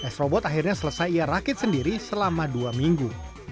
s robot akhirnya selesai ia rakit sendiri selama dua minggu